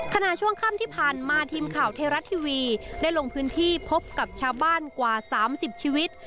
ช่วงค่ำที่ผ่านมาทีมข่าวไทยรัฐทีวีได้ลงพื้นที่พบกับชาวบ้านกว่า๓๐ชีวิต